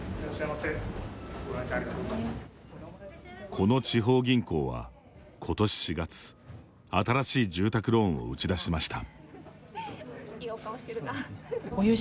この地方銀行は、今年４月新しい住宅ローンを打ち出しました。